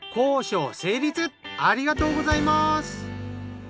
ありがとうございます！